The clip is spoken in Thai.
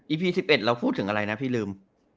พี๑๑เราพูดถึงอะไรนะพี่ลืม